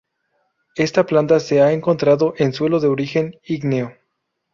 Esta planta se ha encontrado en suelo de origen ígneo.